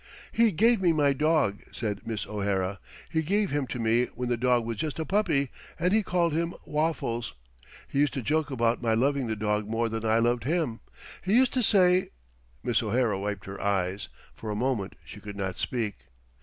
"He gave me my dog," said Miss O'Hara. "He gave him to me when the dog was just a puppy, and he called him Waffles. He used to joke about my loving the dog more than I loved him. He used to say " Miss O'Hara wiped her eyes. For a moment she could not speak.